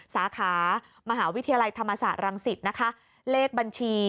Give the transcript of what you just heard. สาขามหาวิทยาลัยธรรมศาสตร์รังสิตนะคะเลขบัญชี